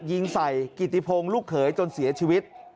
ยิงใส่กิริทิพงลูกเหไปจนเสียชีวิต